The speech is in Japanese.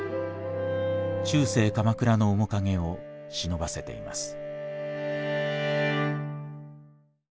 中世鎌倉の面影をしのばせています。